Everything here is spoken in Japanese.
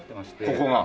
ここが？